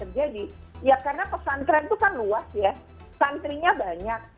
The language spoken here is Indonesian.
jadi ya karena pesantren itu kan luas ya santrinya banyak